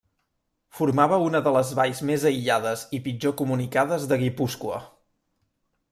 Formava una de les valls més aïllades i pitjor comunicades de Guipúscoa.